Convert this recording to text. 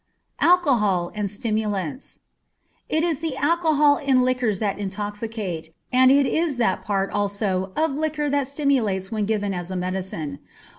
Alcohol and Stimulants. It is the alcohol in liquors that intoxicate, and it is that part, also, of liquor that stimulates when given as a medicine.